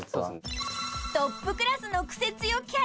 ［トップクラスのクセ強キャラ］